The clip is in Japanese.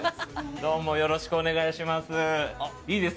よろしくお願いします。